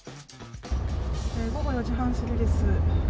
午後４時半過ぎです。